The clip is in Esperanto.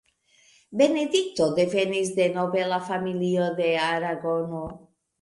Benedikto devenis de nobela familio de Aragono.